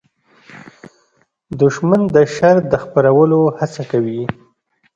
دښمن د شر د خپرولو هڅه کوي